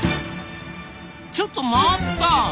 ちょっと待った！